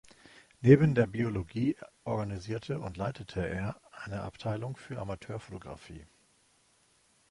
Neben der Biologie organisierte und leitete er eine Abteilung für Amateurfotografie.